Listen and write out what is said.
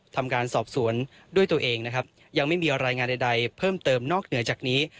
ทำการสอบสวนด้วยตัวเองนะครับยังไม่มีรายงานใดเพิ่มเติมนอกเหนือจากนี้